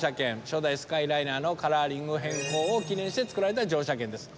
初代スカイライナーのカラーリング変更を記念して作られた乗車券です。